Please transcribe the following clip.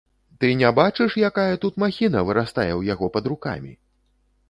Ты не бачыш, якая тут махіна вырастае ў яго пад рукамі?